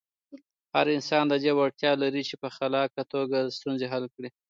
هر انسان د دې وړتیا لري چې په خلاقه توګه ستونزې حل کړي.